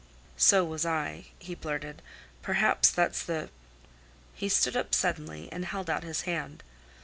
"So was I," he blurted. "Perhaps that's the—" He stood up suddenly and held out his hand.